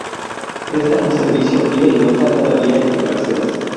Presta un servicio ida y vuelta cada día entre cabeceras.